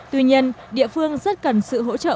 tuy nhiên địa phương rất cần sự hỗ trợ